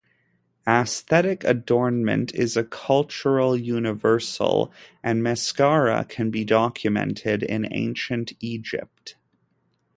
Aesthetic adornment is a cultural universal and mascara can be documented in ancient Egypt.